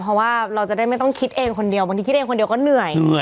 เพราะว่าเราจะได้ไม่ต้องคิดเองคนเดียวบางทีคิดเองคนเดียวก็เหนื่อย